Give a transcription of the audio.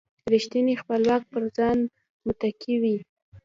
رېښتینې خپلواکي پر ځان متکي وي.